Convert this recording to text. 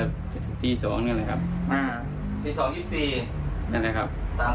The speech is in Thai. ลองฟังดูครับ